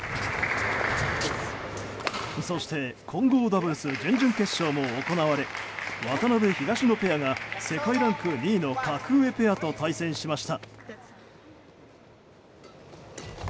そして混合ダブルス準々決勝も行われ渡辺、東野ペアが世界ランク２位の格上ペアと対戦しました。